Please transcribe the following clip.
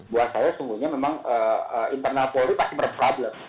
buat saya sebetulnya memang internal polri pasti bernyata problem